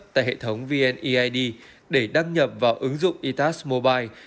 tại hệ thống vneid để đăng nhập vào ứng dụng itas mobile